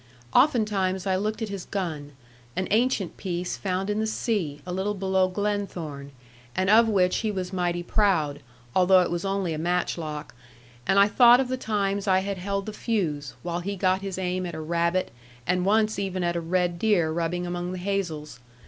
Oftentimes I looked at his gun, an ancient piece found in the sea, a little below Glenthorne, and of which he was mighty proud, although it was only a match lock; and I thought of the times I had held the fuse, while he got his aim at a rabbit, and once even at a red deer rubbing among the hazels.